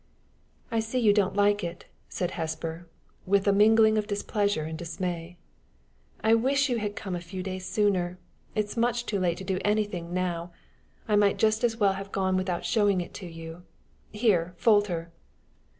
"I see you don't like it!" said Hesper, with a mingling of displeasure and dismay. "I wish you had come a few days sooner! It is much too late to do anything now. I might just as well have gone without showing it to you! Here, Folter!"